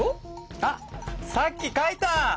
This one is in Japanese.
あっさっき書いた！